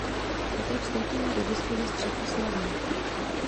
Poté vstoupíme do diskuse, střetu, s Radou.